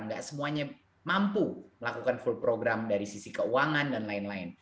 tidak semuanya mampu melakukan full program dari sisi keuangan dan lain lain